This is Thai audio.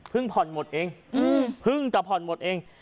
พึ่งผ่อนหมดเองพึ่งแต่พ่อนหมดเอง